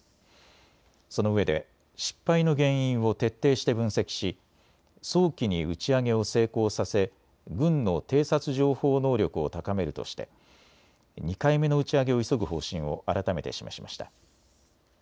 そのうえで失敗の原因を徹底して分析し早期に打ち上げを成功させ軍の偵察情報能力を高めるとして２回目の打ち上げを急ぐ方針を改めて示しました。